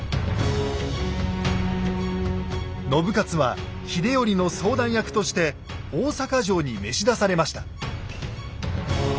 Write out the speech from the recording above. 信雄は秀頼の相談役として大坂城に召し出されました。